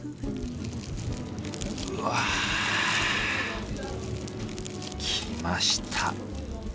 うわぁきました。